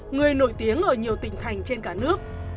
người nổi tiếng ở nhiều tỉnh thành trên cả nước